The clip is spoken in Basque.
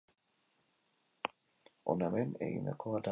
Hona hemen, egindako analisia.